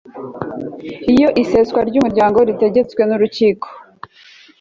Iyo iseswa ry umuryango ritegetswe n urukiko